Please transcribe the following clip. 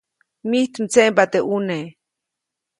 Mijt mdseʼmba teʼ ʼuneʼ.